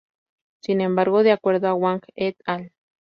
Sin embargo, de acuerdo a Wang et.al.